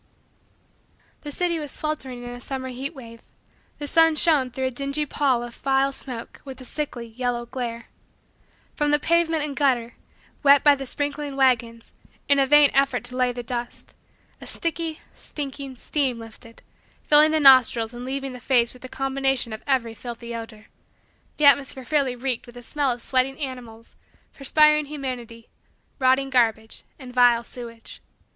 The city was sweltering in a summer heat wave. The sun shone through a dingy pall of vile smoke with a sickly, yellow, glare. From the pavement and gutter, wet by the sprinkling wagons, in a vain effort to lay the dust, a sticky, stinking, steam lifted, filling the nostrils and laving the face with a combination of every filthy odor. The atmosphere fairly reeked with the smell of sweating animals, perspiring humanity, rotting garbage, and vile sewage.